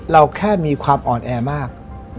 เราแค่มีความอ่อนแอมาก